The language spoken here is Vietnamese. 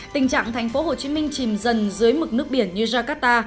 tình trạng tp hcm chìm dần dưới mực nước biển như jakarta